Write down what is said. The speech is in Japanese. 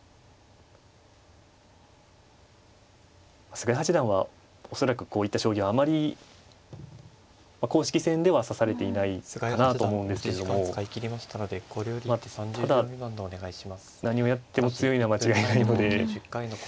菅井八段は恐らくこういった将棋はあまり公式戦では指されていないかなと思うんですけどもただ何をやっても強いのは間違いないので。